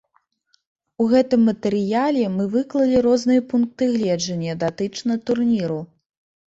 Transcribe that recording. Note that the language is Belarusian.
У гэтым матэрыяле мы выклалі розныя пункты гледжання датычна турніру.